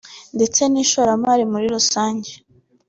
ndetse n’ishoramari muri rusange